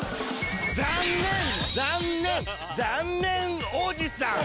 残念残念残念おじさん！